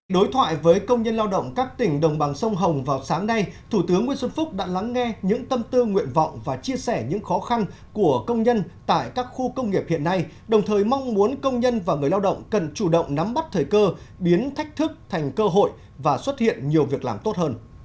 đối thoại với công nhân lao động các tỉnh đồng bằng sông hồng vào sáng nay thủ tướng nguyễn xuân phúc đã lắng nghe những tâm tư nguyện vọng và chia sẻ những khó khăn của công nhân tại các khu công nghiệp hiện nay đồng thời mong muốn công nhân và người lao động cần chủ động nắm bắt thời cơ biến thách thức thành cơ hội và xuất hiện nhiều việc làm tốt hơn